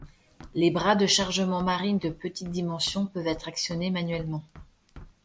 Les bras de chargement marine de petites dimensions peuvent être actionnés manuellement.